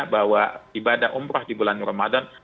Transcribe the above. bahwa ibadah umroh di bulan ramadan